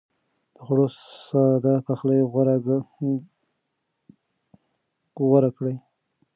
د خوړو ساده پخلی غوره کړئ.